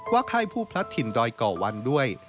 ว่าค่ายผู้พลัดถิ่นดอยเกาะวันด้วย